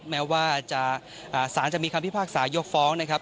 แม้ว่าสารจะมีคำพิพากษายกฟ้องนะครับ